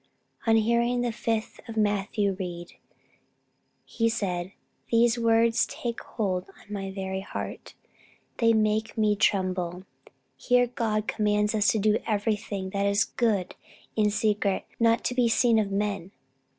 On hearing the fifth chapter of Matthew read, he said "These words take hold on my very heart, they make me tremble. Here God commands us to do everything that is good in secret, and not to be seen of men.